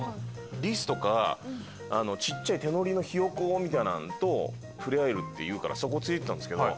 リスとか小っちゃい手乗りのヒヨコみたいなのと触れ合えるっていうからそこ連れていったんですけど。